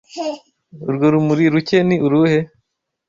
Urwo rumuri rucye ni uruhe?